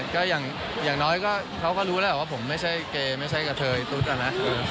ก็อย่างน้อยก็เขาก็รู้แหละว่าผมไม่ใช่เกย์ไม่ใช่กระเทยตุ๊ดอะนะ